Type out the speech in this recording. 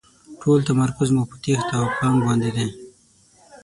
ټول تمرکز مو په تېښته او پړانګ باندې وي.